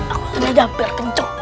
aku yang dapet kenceng